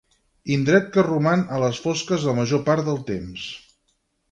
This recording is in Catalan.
Indret que roman a les fosques la major part del temps.